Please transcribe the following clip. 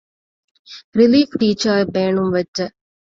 ރިލީފް ޓީޗަރ އެއް ބޭނުންވެއްޖެ